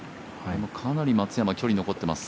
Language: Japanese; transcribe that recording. かなり松山距離残っています。